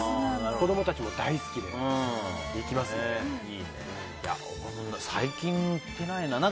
子供たちも大好きで僕は最近行ってないな。